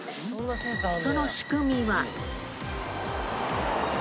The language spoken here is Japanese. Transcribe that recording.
その仕組みは。